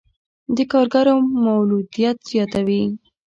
د کارګرو مولدیت زیاتوي.